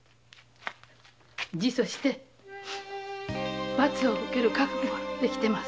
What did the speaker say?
自訴して罰を受ける覚悟は出来てます。